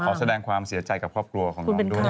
แสดงความเสียใจกับครอบครัวของน้องด้วยนะครับ